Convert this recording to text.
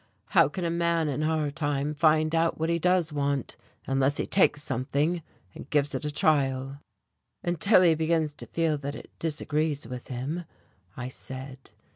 How can a man in our time find out what he does want unless he takes something and gives it a trial?" "Until he begins to feel that it disagrees with him," I said.